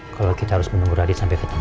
kalau kita harus menunggu radit sampai ketemu